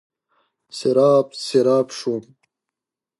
سراب، سراب شوم